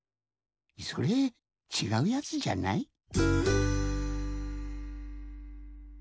それちがうやつじゃない？